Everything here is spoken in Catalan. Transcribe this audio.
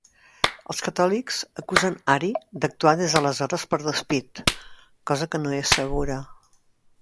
Els catòlics acusen Ari d'actuar des d'aleshores per despit, cosa que no és segura.